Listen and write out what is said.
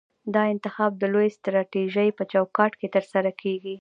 دا انتخاب د لویې سټراټیژۍ په چوکاټ کې ترسره کیږي.